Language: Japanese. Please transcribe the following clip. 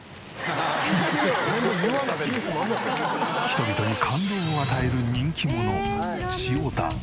人々に感動を与える人気者しおたん。